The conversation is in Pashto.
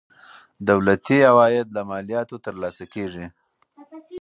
دولتي عواید له مالیاتو ترلاسه کیږي.